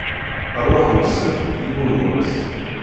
Rrwaḥ-nsen, yiwen n wass!